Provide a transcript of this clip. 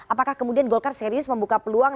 apakah kemudian golkar serius membuka peluang